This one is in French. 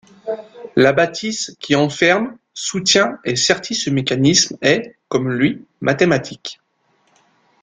La bâtisse qui enferme, soutient et sertit ce mécanisme est, comme lui, mathématique.